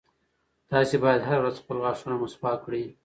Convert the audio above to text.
تاسي باید هره ورځ خپل غاښونه مسواک کړئ.